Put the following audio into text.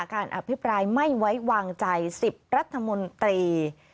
อภิปรายไม่ไว้วางใจ๑๐รัฐมนตรี